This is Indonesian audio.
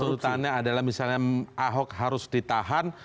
kalau tuntutannya adalah misalnya ahok harus ditahan